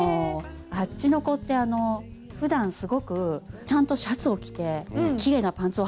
あっちの子ってふだんすごくちゃんとシャツを着てきれいなパンツをはいたりするんです。